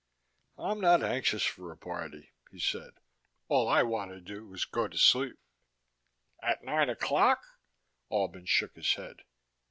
"I'm not anxious for a party," he said. "All I want to do is go to sleep." "At nine o'clock?" Albin shook his head.